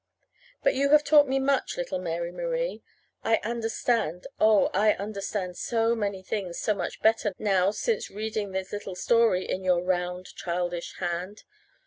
But you have taught me much, little Mary Marie. I understand oh, I understand so many things so much better, now, since reading this little story in your round childish hand.